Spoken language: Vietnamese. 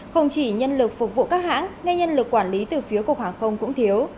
không chỉ nhân lực phục vụ các hãng ngay nhân lực quản lý từ phía cục hàng không cũng thiếu